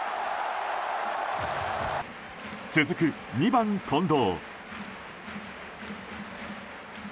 続く２番、近藤。